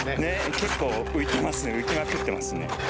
結構浮いてますね浮きまくってますね。